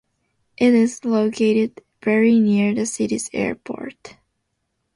It is located very near the city's airport.